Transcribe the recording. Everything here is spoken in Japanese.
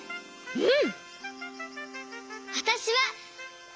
うん！